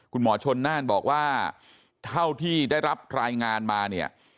คุณหมอชนน่านบอกว่าเท่าที่ได้รับรายงานมาเนี่ย